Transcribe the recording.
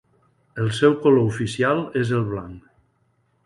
El seu color oficial és el blanc.